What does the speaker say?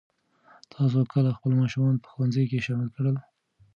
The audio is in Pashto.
تاسو کله خپل ماشومان په ښوونځي کې شامل کړل؟